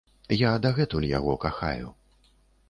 Я дагэтуль яго кахаю.